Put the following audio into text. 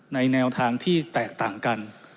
แนวทางที่แตกต่างกัน